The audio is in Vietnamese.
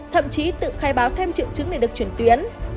thậm chí tự khai báo thêm triệu chứng để được chuyển tuyến